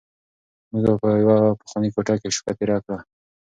موږ په یوه پخوانۍ کوټه کې شپه تېره کړه.